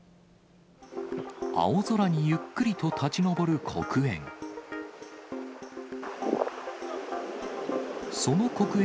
青空にゆっくりと立ち上る黒煙。